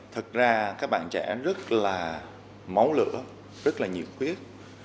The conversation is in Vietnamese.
thật ra các bạn trẻ rất là máu lửa rất là nhiệt huyết